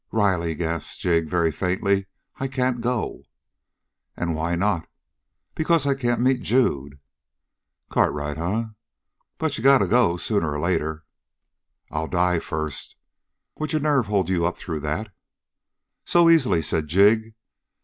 "Riley," gasped Jig very faintly, "I can't go!" "And why not?" "Because I can't meet Jude." "Cartwright, eh? But you got to, sooner or later." "I'll die first." "Would your nerve hold you up through that?" "So easily," said Jig.